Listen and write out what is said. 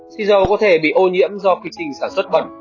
xì dầu có thể bị ô nhiễm do kỳ trình sản xuất bận